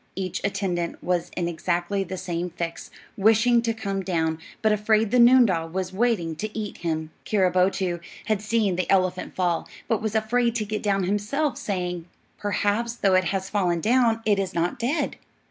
Each attendant was in exactly the same fix, wishing to come down, but afraid the noondah was waiting to eat him. Keeroboto had seen the elephant fall, but was afraid to get down by himself, saying, "Perhaps, though it has fallen down, it is not dead."